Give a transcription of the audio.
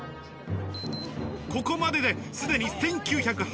ここまでで、すでに１９８０ｋｃａｌ。